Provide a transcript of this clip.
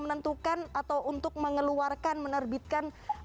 menentukan atau untuk mengeluarkan menerbitkan